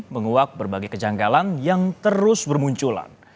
menguak berbagai kejanggalan yang terus bermunculan